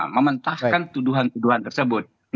mementaskan tuduhan tuduhan tersebut